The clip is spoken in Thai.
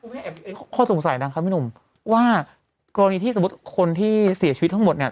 ข้อสงสัยดังครับพี่หนุ่มว่ากรณีที่สมมุติคนที่เสียชีวิตทั้งหมดเนี่ย